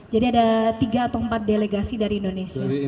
jadi ada tiga atau empat delegasi dari indonesia